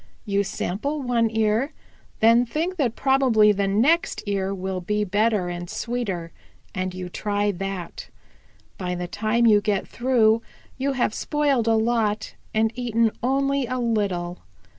You sample one ear, then think that probably the next ear will be better and sweeter and you try that. By the time you get through you have spoiled a lot, and eaten only a little.